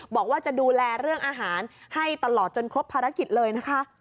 บอกว่าจะดูแลเรื่องอาหารให้ตลอดจนครบภารกิจเลยนะคะ